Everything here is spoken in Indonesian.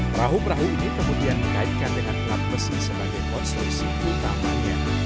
perahu perahu ini kemudian dikaitkan dengan kelam besi sebagai konstruksi utamanya